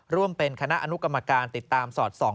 ร่วมเป็นคณะอนุกรรมการติดตามสอดส่อง